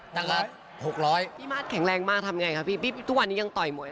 พี่สามาสแข็งแรงมากทำอย่างไรครับพี่ทุกวันนี้ยังต่อยหมวย